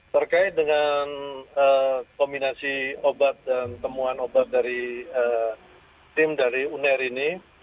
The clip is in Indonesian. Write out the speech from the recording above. terkait dengan kombinasi obat dan temuan obat dari tim dari uner ini